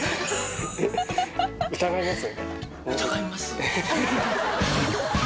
疑います？